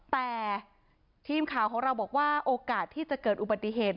แต่ทีมข่าวของเราบอกว่าโอกาสที่จะเกิดอุบัติเหตุ